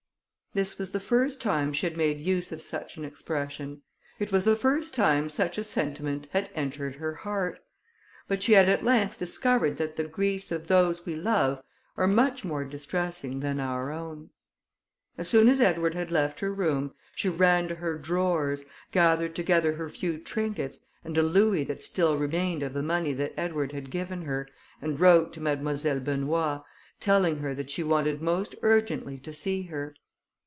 This was the first time she had made use of such an expression. It was the first time such a sentiment had entered her heart; but she had at length discovered that the griefs of those we love are much more distressing than our own. As soon as Edward had left her room, she ran to her drawers, gathered together her few trinkets, and a louis that still remained of the money that Edward had given her, and wrote to Mademoiselle Benoît, telling her that she wanted most urgently to see her.